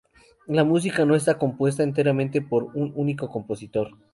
La música no está compuesta enteramente por un único compositor.